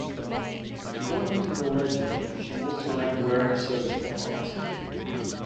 According to the legend, she walks around wearing a surgical mask.